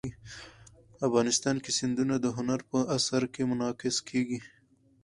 افغانستان کې سیندونه د هنر په اثار کې منعکس کېږي.